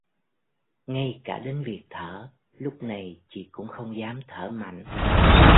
Ngay cả đến việc thở lúc này chị cũng không dám thở mạnh